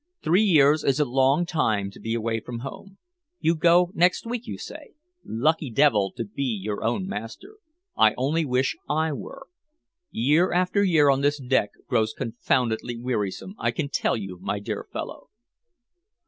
Three years is a long time to be away from home. You go next week, you say? Lucky devil to be your own master! I only wish I were. Year after year on this deck grows confoundedly wearisome, I can tell you, my dear fellow."